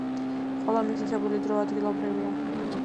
ყველა მითითებული დრო ადგილობრივია.